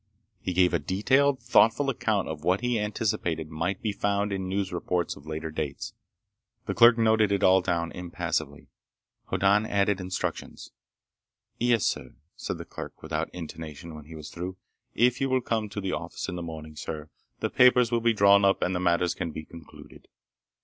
He gave a detailed, thoughtful account of what he anticipated might be found in news reports of later dates. The clerk noted it all down, impassively. Hoddan added instructions. "Yes, sir," said the clerk without intonation when he was through. "If you will come to the office in the morning, sir, the papers will be drawn up and matters can be concluded.